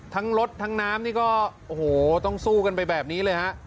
ทั้งรถทั้งน้ำนี่ก็โอ้โหต้องสู้กันไปแบบนี้เลยฮะ